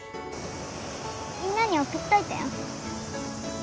みんなに送っといたよ